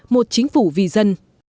một chính phủ vì dân